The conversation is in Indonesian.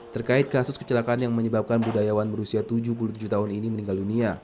terkait kasus kecelakaan yang menyebabkan budayawan berusia tujuh puluh tujuh tahun ini meninggal dunia